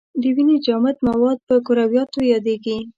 د وینې جامد مواد په کرویاتو یادیږي.